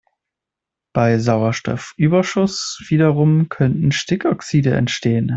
Bei Sauerstoffüberschuss wiederum können Stickoxide entstehen.